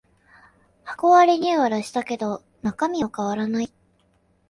箱はリニューアルしたけど中身は変わらない